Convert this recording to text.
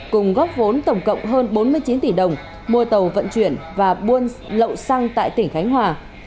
cùng góp vốn tổng cộng hơn bốn mươi chín tỷ đồng mua tàu vận chuyển và buôn lậu xăng tại tỉnh khánh hòa